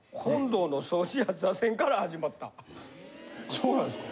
そうなんですか？